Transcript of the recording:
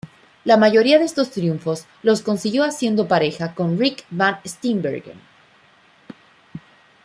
La mayoría de estos triunfos los consiguió haciendo pareja con Rik Van Steenbergen.